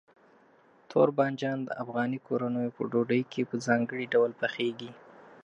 تور بانجان د افغاني کورنیو په ډوډۍ کې په ځانګړي ډول پخېږي.